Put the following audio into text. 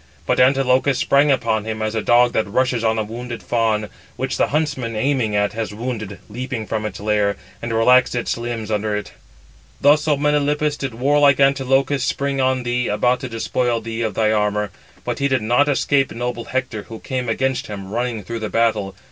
But Antilochus sprang upon him, as a dog that rushes on a wounded fawn, which the huntsman aiming at, has wounded, leaping from its lair, and relaxed its limbs under it. Thus, O Melanippus, did warlike Antilochus spring on thee, about to despoil thee of thy armour: but he did not escape noble Hector, who came against him, running through the battle.